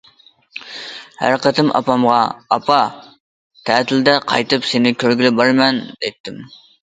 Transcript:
ھەر قېتىم ئاپامغا« ئاپا، تەتىلدە قايتىپ سېنى كۆرگىلى بارىمەن» دەيتتىم.